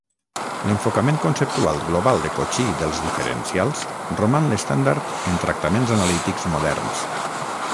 L'enfocament conceptual global de Cauchy dels diferencials roman l'estàndard en tractaments analítics moderns.